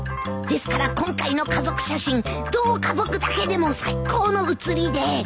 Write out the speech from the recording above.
ですから今回の家族写真どうか僕だけでも最高の写りで